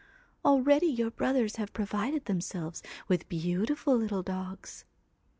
Already your brothers have provided themselves with beautiful little dogs.'